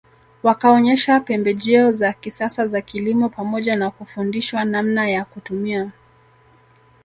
Wakaonyesha pembejeo za kisasa za kilimo pamoja na kufundishwa namna ya kutumia